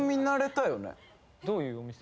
どういうお店？